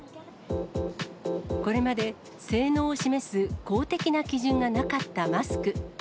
これまで性能を示す公的な基準がなかったマスク。